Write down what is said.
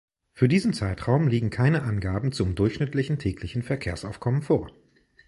Für diesen Zeitraum liegen keine Angaben zum durchschnittlichen täglichen Verkehrsaufkommen vor.